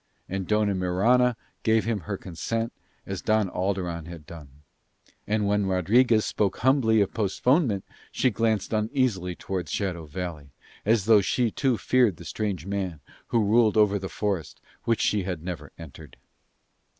And Dona Mirana gave him her consent as Don Alderon had done: and when Rodriguez spoke humbly of postponement she glanced uneasily towards Shadow Valley, as though she too feared the strange man who ruled over the forest which she had never entered.